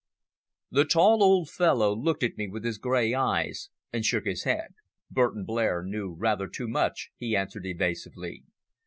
The tall old fellow looked at me with his grey eyes and shook his head. "Burton Blair knew rather too much," he answered evasively.